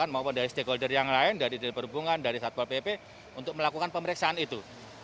maupun dari stakeholder yang lain dari perhubungan dari satpol pp untuk melakukan pemeriksaan itu